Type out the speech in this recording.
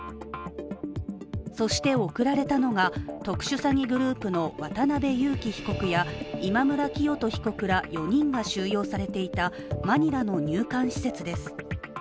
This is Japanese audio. そして送られたのが特殊詐欺グループの渡辺優樹被告や今村磨人被告ら４人が収容されていたマニラの入管施設です。